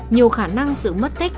nhiều khả năng sự mất tích